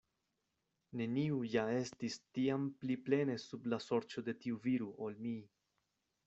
Neniu ja estis tiam pli plene sub la sorĉo de tiu viro, ol mi.